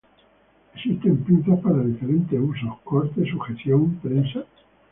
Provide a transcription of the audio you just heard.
Existen pinzas para diferentes usos: corte, sujeción, prensa.